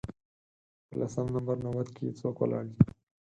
په لسم نمبر نوبت کې څوک ولاړ دی